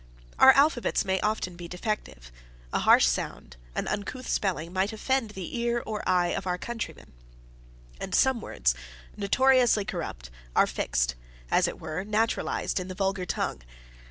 Our alphabets may be often defective; a harsh sound, an uncouth spelling, might offend the ear or the eye of our countrymen; and some words, notoriously corrupt, are fixed, and, as it were, naturalized in the vulgar tongue.